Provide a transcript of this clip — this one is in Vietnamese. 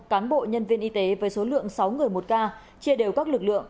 cán bộ nhân viên y tế với số lượng sáu người một ca chia đều các lực lượng